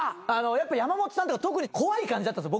やっぱ山本さんとか特に怖い感じだったんですよ。